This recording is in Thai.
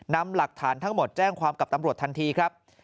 นำหลักฐานทั้งหมดแจ้งความกับตำรวจทันทีครับ